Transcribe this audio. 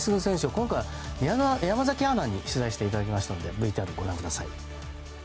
今回、山崎アナウンサーに取材していただきましたのでＶＴＲをご覧ください。